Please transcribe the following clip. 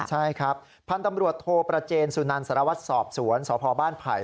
ใช่ครับพันธุ์ตำรวจโทประเจนสุนันสารวัตรสอบสวนสพบ้านไผ่